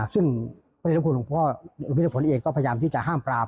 ซึ่งพระเจ้าคุณหลวงพ่อหลวงพิธีหลวงพ่อเองก็พยายามที่จะห้ามปราบ